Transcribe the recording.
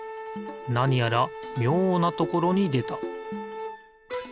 なにやらみょうなところにでた。